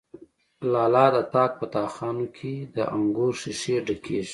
لا د تاک په تا خانو کی، د انگور ښیښی ډکیږی